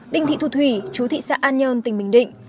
đinh thị thu thủy chú thị xã an nhơn tỉnh bình định